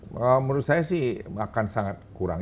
menurut saya sih akan sangat kurang